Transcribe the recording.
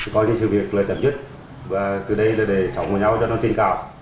tôi coi như sự việc là tầm nhất và từ đây là để sống với nhau cho nó tin cao